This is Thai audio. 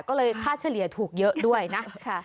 ก็เลยค่าเฉลี่ยถูกเยอะด้วยนะ